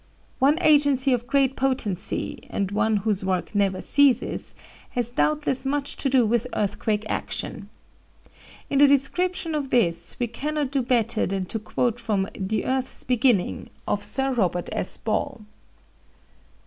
One agency of great potency, and one whose work never ceases, has doubtless much to do with earthquake action. In the description of this we cannot do better than to quote from "The Earth's Beginning" of Sir Robert S. Ball.